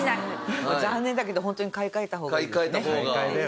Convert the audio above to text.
残念だけどホントに買い替えた方がいいですね。